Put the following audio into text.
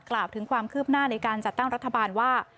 กล่าวถึงความคืบหน้าในการจัดตั้งรัฐบาลว่า